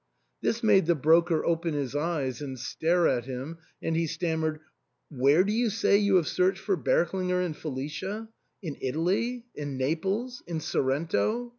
This made the broker open his eyes and stare at him, and he stam mered, "Where do you say you have searched for Berk linger and Felicia ? In Italy ? in Naples ? in Sorrento